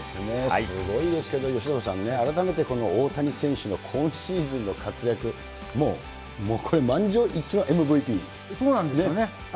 すごいですけど、由伸さんね、改めてこの大谷選手の今シーズンの活躍、もう、そうなんですよね。